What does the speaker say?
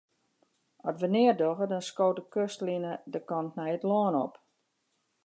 As wy neat dogge, dan skoot de kustline de kant nei it lân op.